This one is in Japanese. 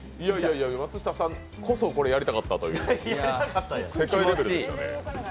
松下さんこそ、これやりたかったという、世界レベルでしたね。